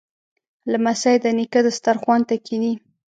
لمسی د نیکه دسترخوان ته کیني.